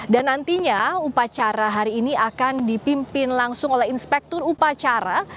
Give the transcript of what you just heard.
dan nantinya upacara hari ini akan dipimpin langsung oleh inspektur upacara